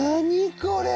これ。